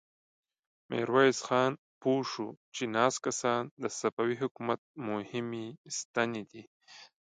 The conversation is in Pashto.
ميرويس خان پوه شو چې ناست کسان د صفوي حکومت مهمې ستنې دي.